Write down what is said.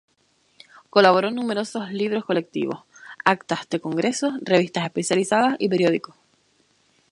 Colaboró en numerosos libros colectivos, actas de congresos, revistas especializadas y periódicos.